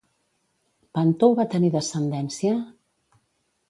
Pàntou va tenir descendència?